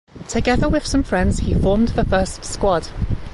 Together with some friends he formed the first squad.